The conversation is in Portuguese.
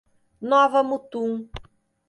Nova Mutum